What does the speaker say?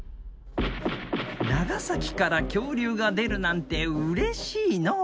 長崎から恐竜が出るなんてうれしいのう。